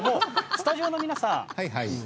スタジオの皆さん